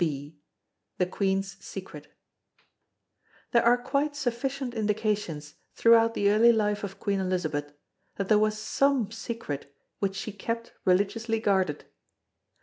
B. THE QUEEN'S SECRET There are quite sufficient indications throughout the early life of Queen Elizabeth that there was some secret which she kept religiously guarded.